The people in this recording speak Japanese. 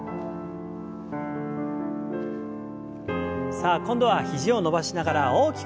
さあ今度は肘を伸ばしながら大きく回します。